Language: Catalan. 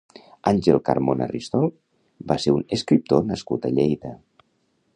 Àngel Carmona Ristol va ser un escriptor nascut a Lleida.